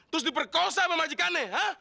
terus diperkosa sama majikannya